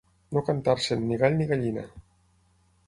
No cantar-se'n ni gall ni gallina.